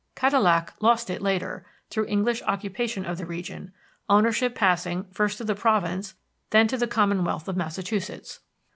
Cadillac lost it later, through English occupation of the region, ownership passing, first to the Province, then to the Commonwealth of Massachusetts.